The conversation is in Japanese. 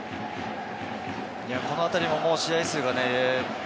このあたりも試合数がね。